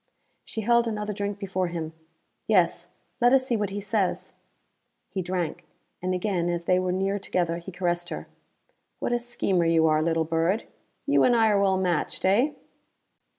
She held another drink before him. "Yes. Let us see what he says." He drank; and again as they were near together he caressed her. "What a schemer you are, little bird. You and I are well matched, eh?"